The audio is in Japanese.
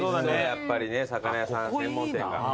やっぱりね魚屋さん専門店が。